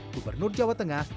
gubernur jawa tengah